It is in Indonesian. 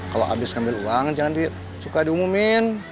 kalau habis ngambil uang jangan suka diumumin